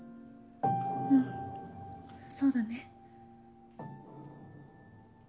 うんそうだね